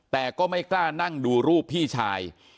แต่ก็ไม่กล้านั่งดูรูปพี่ชาย